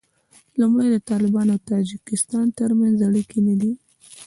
لومړی د طالبانو او تاجکستان تر منځ اړیکې نه وې